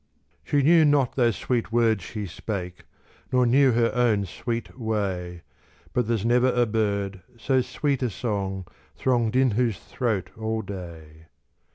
She knew not those sweet words she spake, Nor knew her own sweet way; But there's never a bird, so sweet a song Thronged in whose throat all day.